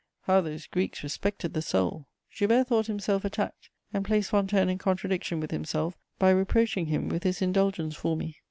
How those Greeks respected the soul!" Joubert thought himself attacked, and placed Fontanes in contradiction with himself by reproaching him with his indulgence for me.